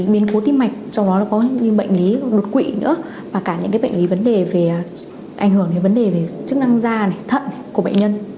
biến cố tim mạch trong đó có những bệnh lý đột quỵ nữa và cả những bệnh lý vấn đề về ảnh hưởng đến vấn đề về chức năng da thận của bệnh nhân